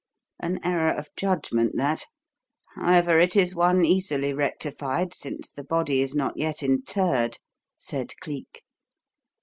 "An error of judgment that; however, it is one easily rectified, since the body is not yet interred," said Cleek.